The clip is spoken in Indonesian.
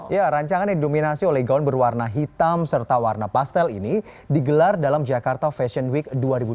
ya rancangan yang didominasi oleh gaun berwarna hitam serta warna pastel ini digelar dalam jakarta fashion week dua ribu dua puluh